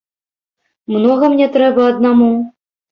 Многа мне трэба аднаму?